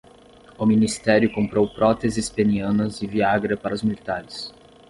O ministério comprou próteses penianas e Viagra para os militares